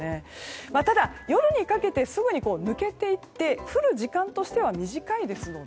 ただ、夜にかけてすぐに抜けていって降る時間としては短いですので。